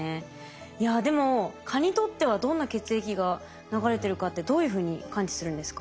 いやでも蚊にとってはどんな血液が流れてるかってどういうふうに感知するんですか？